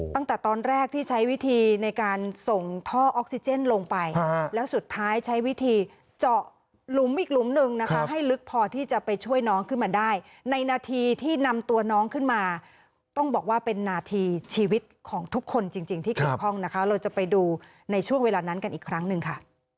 ตั้งแต่ตอนแรกที่ใช้วิธีในการส่งท่อออกซิเจนลงไปแล้วสุดท้ายใช้วิธีเจาะหลุมอีกหลุมหนึ่งนะคะให้ลึกพอที่จะไปช่วยน้องขึ้นมาได้ในนาทีที่นำตัวน้องขึ้นมาต้องบอกว่าเป็นนาทีชีวิตของทุกคนจริงที่เกี่ยวข้องนะคะเราจะไปดูในช่วงเวลานั้นกันอีกครั้งหนึ่งค่ะ